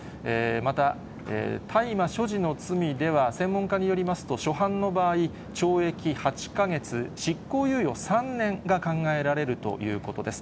また大麻所持の罪では、専門家によりますと、初犯の場合、懲役８か月、執行猶予３年が考えられるということです。